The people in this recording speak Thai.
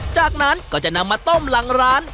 จากนั้นก็จะนำมาต้มหลังร้าน